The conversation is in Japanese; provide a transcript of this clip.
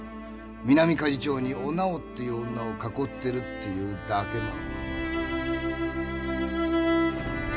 南鍛冶町にお直っていう女を囲ってるっていうだけの。